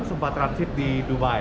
sempat transit di dubai